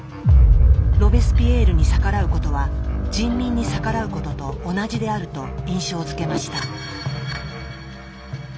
ロベスピエールに逆らうことは人民に逆らうことと同じであると印象づけました。